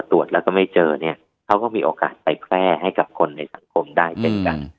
ตรวจแล้วก็ไม่เจอเนี่ยเขาก็มีโอกาสไปแพร่ให้กับคนในสังคมได้เช่นกัน